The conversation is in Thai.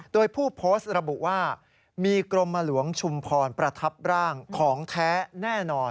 โดยผู้โพสต์ระบุว่ามีกรมหลวงชุมพรประทับร่างของแท้แน่นอน